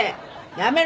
やめろ。